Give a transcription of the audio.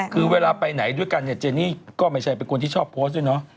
คือเวลาไปไหนด้วยกันเนี่ยเจนี่ก็ไม่ใช่เป็นคนที่ชอบโพสต์ด้วยเนาะ